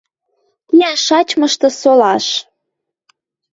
Кеӓш шачмышты солаш!